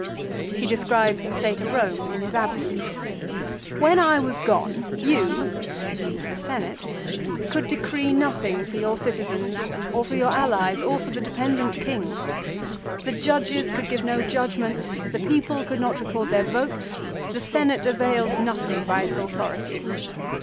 He describes the state of Borne in his absence. " When I was gone you," you, the Senate, " could decree nothing for your citizens, or for your allies, or for the dependent kings. The judges could give no judgment ; the people could not record their votes ; the Senate availed nothing by its authority.